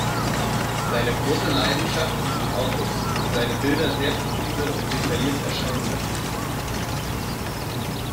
Seine große Leidenschaft sind Autos, die seine Bilder sehr präzise und detailliert erscheinen lassen.